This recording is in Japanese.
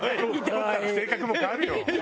太ったら性格も変わるよ。